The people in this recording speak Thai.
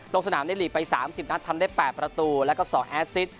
ลงสนามในลีกไป๓๐นัดทำได้๘ประตูแล้วก็๒แอสซิต